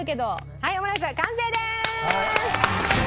はいオムライス完成です！